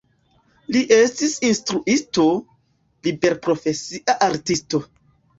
Li estis instruisto, liberprofesia artisto.